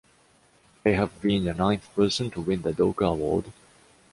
They have been the ninth person to win the Douka award.